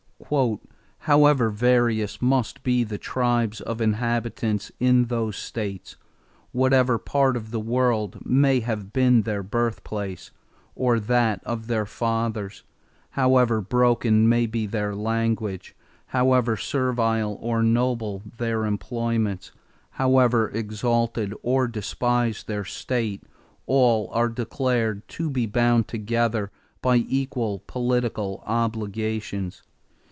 "However various may be the tribes of inhabitants in those states, whatever part of the world may have been their birthplace, or that of their fathers, however broken may be their language, however servile or noble their employments, however exalted or despised their state, all are declared to be bound together by equal political obligations....